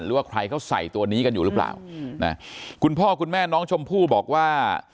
หรือว่าใครเขาใส่ตัวนี้กันอยู่หรือเปล่านะคุณพ่อคุณแม่น้องชมพู่บอกว่า